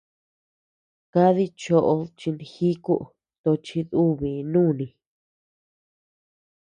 Kadi choʼod chinjíku tochi dùbii nuni.